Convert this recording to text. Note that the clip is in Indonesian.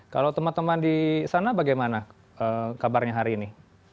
kalau teman teman di sana bagaimana kabarnya hari ini